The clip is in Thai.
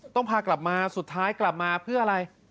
พากลับมาสุดท้ายกลับมาเพื่ออะไร